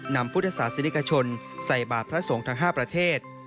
นำพุทธศาสนิกชนใส่บาทพระสงฆ์ทั้ง๕ประเทศ